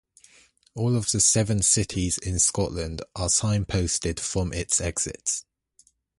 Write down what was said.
All of the seven cities in Scotland are signposted from its exits.